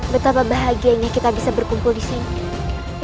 betapa bahagianya kita bisa berkumpul di sini